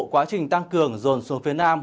quá trình tăng cường dồn xuống phía nam